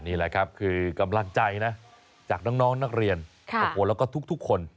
นี่แหละครับคือกำลังใจนะจากน้องนักเรียนโอ้โหแล้วก็ทุกคน